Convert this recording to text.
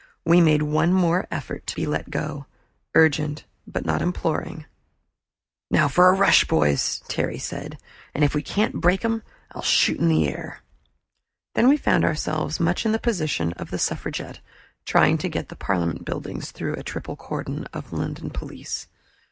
We made one more effort to be let go, urgent, but not imploring. In vain. "Now for a rush, boys!" Terry said. "And if we can't break 'em, I'll shoot in the air." Then we found ourselves much in the position of the suffragette trying to get to the Parliament buildings through a triple cordon of London police.